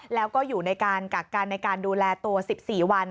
แล้วก็อยู่ในการกักกันในการดูแลตัว๑๔วัน